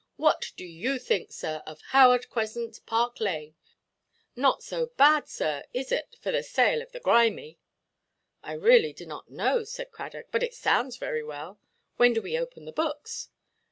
What do you think, sir, of Howard Crescent, Park Lane? Not so bad, sir, is it, for the sale of the grimy?" "I really do not know," said Cradock; "but it sounds very well. When do we open the books?"